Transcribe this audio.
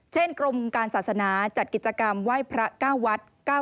เช่นกรมการศาสนาจัดกิจกรรมไหว้พระ๙วัฒนธรรม